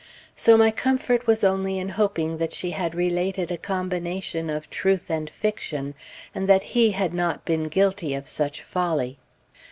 So my comfort was only in hoping that she had related a combination of truth and fiction, and that he had not been guilty of such folly.